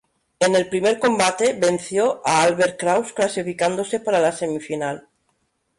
En el primer combate venció a Albert Kraus clasificándose para la semifinal.